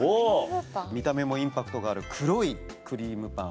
見た目もインパクトがある黒いクリームパン。